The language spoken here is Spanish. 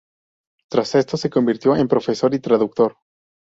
Tras esto se convirtió en profesor y traductor.